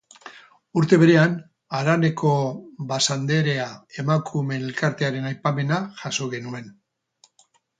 Urte berean, haraneko Basanderea emakumeen elkartearen aipamena jaso genuen.